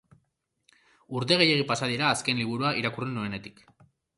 Urte gehiegi pasa dira azken liburua irakurri nuenetik.